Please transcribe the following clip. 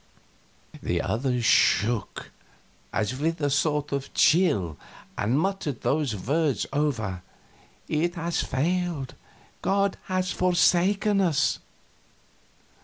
The others shook, as with a sort of chill, and muttered those words over "It has failed." "God has forsaken us."